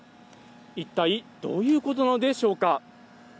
一体どういうことなのでしょうか。